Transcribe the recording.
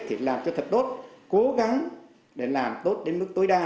thì làm cho thật tốt cố gắng để làm tốt đến mức tối đa